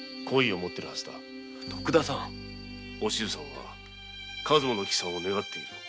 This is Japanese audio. お静さんは数馬の帰参を願っている。